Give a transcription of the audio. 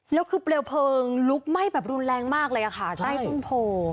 แล้วคือเปลวเพลิงลุกไหม้แบบรุนแรงมากเลยค่ะใต้ต้นโพ